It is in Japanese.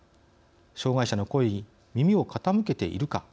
障害者の声に耳を傾けているか。